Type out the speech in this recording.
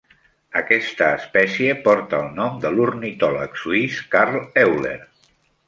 Aquesta espècie porta el nom de l'ornitòleg suís Carl Euler.